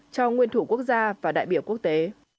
cho nguyên thủ quốc gia và đại biểu quốc tế